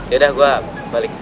yaudah gua balik